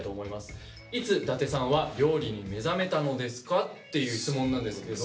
「いつ舘さんは料理に目覚めたのですか」っていう質問なんですけど。